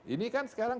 ini kan sekarang